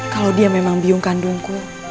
kalau dia memang bium kandungku